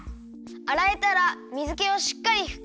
あらえたら水けをしっかりふきとってね。